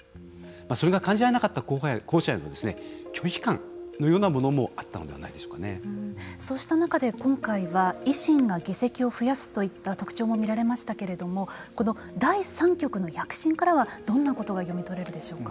それが感じられなかった候補者への拒否感のようなものもそうした中で今回は維新が議席を増やすといった特徴も見られましたけれどもこの第三極の躍進からはどんなことが読み取れるでしょうか。